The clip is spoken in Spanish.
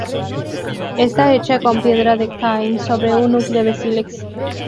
Esta hecha con piedra de Caen sobre un núcleo de sílex.